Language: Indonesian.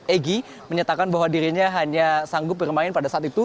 egy menyatakan bahwa dirinya hanya sanggup bermain pada saat itu